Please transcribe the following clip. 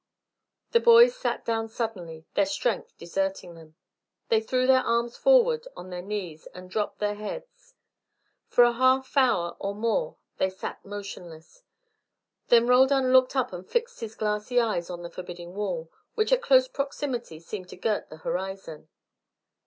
The boys sat down suddenly, their strength deserting them. They threw their arms forward on their knees and dropped their heads. For a half hour or more they sat motionless, then Roldan looked up and fixed his glassy eyes on the forbidding wall, which at close proximity seemed to girt the horizon.